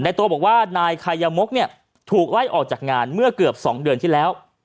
ตัวบอกว่านายคายมกเนี่ยถูกไล่ออกจากงานเมื่อเกือบ๒เดือนที่แล้ว